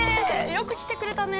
よく来てくれたね。